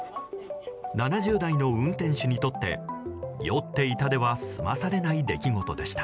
７０代の運転手にとって酔っていたでは済まされない出来事でした。